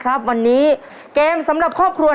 ตัวเลือกที่สองวนทางซ้าย